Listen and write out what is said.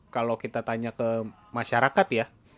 kalau kita tanya ke masyarakat ya